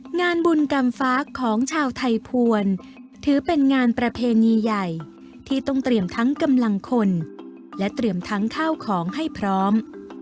งานบุญกรรมฟ้าของชาวไทยภวรถือเป็นงานประเพณีใหญ่ที่ต้องเตรียมทั้งกำลังคนและเตรียมทั้งข้าวของให้พร้อม